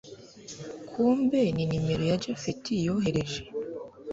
kumbe ni nimero ya japhet yohereje